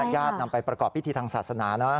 ญาตินำไปประกอบพิธีทางศาสนานะ